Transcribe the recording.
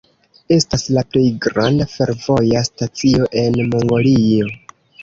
Estas la plej granda fervoja stacio en Mongolio.